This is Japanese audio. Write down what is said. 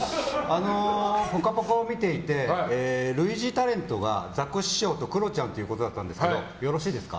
「ぽかぽか」を見ていて類似タレントがザコシショウとクロちゃんということだったんですがよろしいですか？